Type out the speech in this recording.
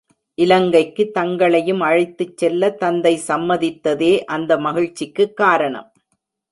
இலங்கைக்கு தங்களையும் அழைத்துச்செல்ல தந்தை சம்மதித்ததே அந்த மகிழ்ச்சிக்குக் காரணம்.